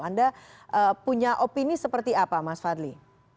anda punya opini seperti apa mas fadli